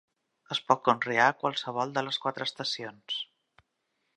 Es pot conrear a qualsevol de les quatre estacions.